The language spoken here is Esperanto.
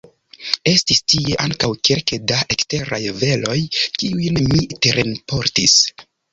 Estis tie ankaŭ kelke da ekstraj veloj, kiujn mi terenportis.